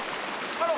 あの。